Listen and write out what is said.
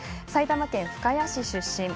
埼玉県深谷市出身。